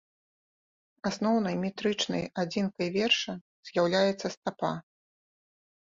Асноўнай метрычнай адзінкай верша з'яўляецца стапа.